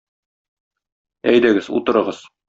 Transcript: Әйдәгез, утырыгыз.